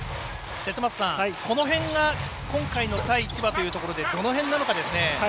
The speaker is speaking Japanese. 節政さん、この辺が今回の対千葉というところでどの辺なのかですね。